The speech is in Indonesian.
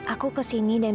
aku kesini dan berdiri